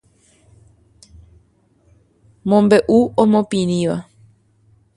Mombe'u omopirĩva.